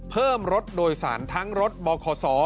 เพิ่มรถโดยสารทั้งรถบข